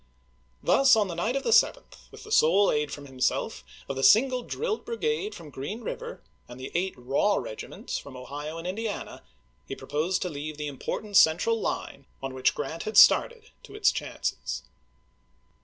Thus on the night of the 7th, with the sole aid from himself of the single drilled brigade from Green River and the eight raw regiments from Ohio and Indiana, he proposed to leave the im portant central line on which Grant had started to its chances.